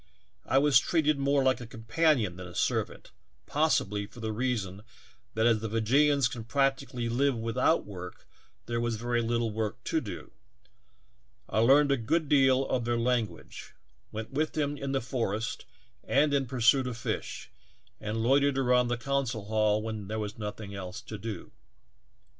I was treated more like a companion than a servant, possibly for the reason that as the Fee jeeans can practically live without work there was very little work to do ; I learned a good deal of their language, went with them in the forest and in pursuit of fish, and loitered around the council hall when there was nothing else to do.